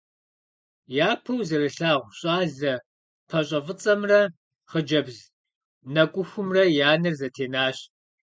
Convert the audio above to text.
Япэу зэрылъагъу щӏалэ пащӏэфӏыцӏэмрэ хъыджэбз нэкӏухумрэ я нэр зэтенащ.